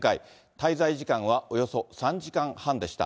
滞在時間はおよそ３時間半でした。